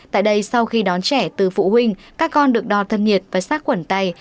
tại đây sau khi đón trẻ từ phụ huynh các con được đo thân nhiệt và sát quẩn tay